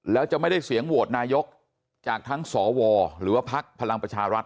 แล้วจะไม่ได้เสียงโหวตนายกจากทั้งสวหรือว่าพักพลังประชารัฐ